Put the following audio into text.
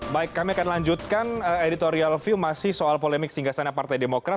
baik kami akan lanjutkan editorial view masih soal polemik singgah sana partai demokrat